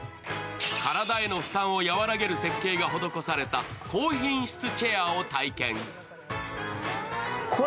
体への負担を和らげる設計が施された高品質チェアを体験。